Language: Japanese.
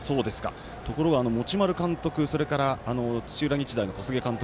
ところが持丸監督それから土浦日大の小菅監督